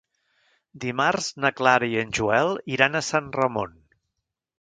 Dimarts na Clara i en Joel iran a Sant Ramon.